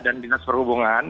dan dinas perhubungan